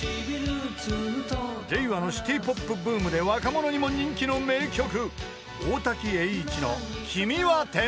［令和のシティポップブームで若者にも人気の名曲］